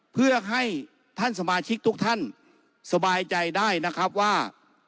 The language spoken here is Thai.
เพื่อให้ท่านสมาชิกทุกท่านสบายใจได้นะครับว่า